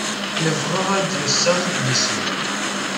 Nebɣa ad d-nseɣ idlisen.